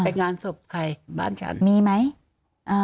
งานศพใครบ้านฉันมีไหมอ่า